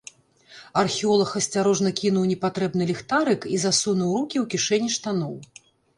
Археолаг асцярожна кінуў непатрэбны ліхтарык і засунуў рукі ў кішэні штаноў.